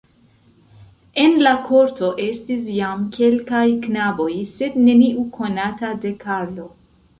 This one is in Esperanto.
En la korto estis jam kelkaj knaboj, sed neniu konata de Karlo.